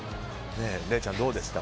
礼ちゃん、どうでした。